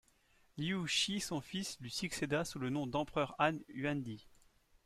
Liu Shi, son fils lui succéda sous le nom d'empereur Han Yuandi.